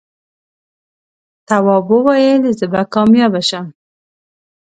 تواب وويل: زه به کامیابه شم.